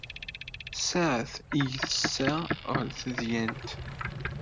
Saɛet igget ssa ɣel tedyant.